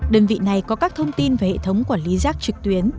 đơn vị này có các thông tin về hệ thống quản lý rác trực tuyến